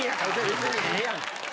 別にええやん。